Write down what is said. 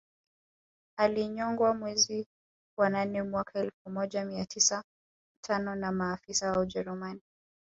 Alinyongwa mwezi wa nane mwaka elfu moja mia tisa tano na maafisa wa Ujerumani